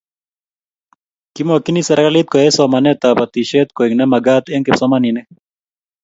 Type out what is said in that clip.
Kimakchini serikalit koyai somanet ab batishet koek ne magat eng' kipsomanik